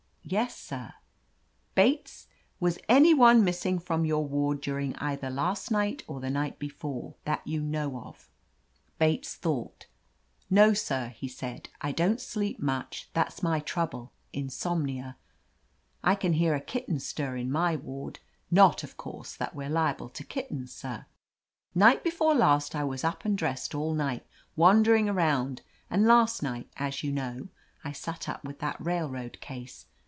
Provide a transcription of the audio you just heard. Yes, sir." 'Bates, was any one missing from your 95 <r tr «i THE AMAZING ADVENTURES ward during either last night or the night be fore, that you know pi ?" Bates thought "No, sir,*' he said. "I don't sleep much; that's my trouble, insomnia. I can hear a kitten stir in my ward — ^not, of course, that we're liable to kittens, sir. Night before last I was up and dressed all night, wan dering around, and last night, as you know, I sat up with that railroad case.